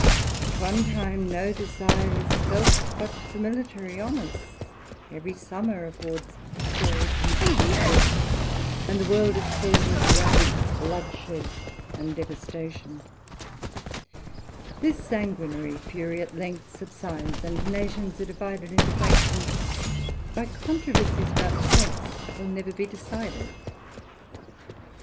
At one time, no desire is felt but for military honours ; every summer affords battles and sieges, and the world is filled with ravage, bloodshed, and devastation : this THE ADVENTURER, 251 ^ nguinaiy fiiry at length subsides, and nations are divided to £su:tions, by controversies about points that will never be ^ded.